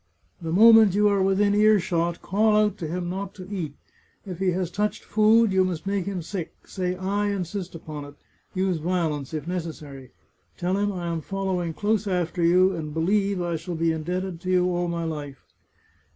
The moment you are within earshot, call out to him not to eat. If he has touched food, you must make him sick ; say I insist upon it — use violence if necessary. Tell him I am following close after you, and believe I shall be indebted to you all my life